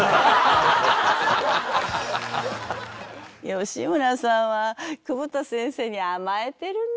吉村さんは久保田先生に甘えてるんですよね。